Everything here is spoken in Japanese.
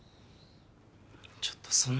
ちょっとそんな言い方。